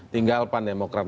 tinggal pan demokrat